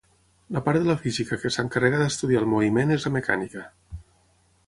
La part de la física que s'encarrega d'estudiar el moviment és la mecànica.